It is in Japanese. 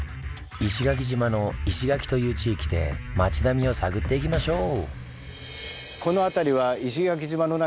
石垣島の「石垣」という地域で町並みを探っていきましょう！